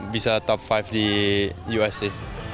bisa top lima di usa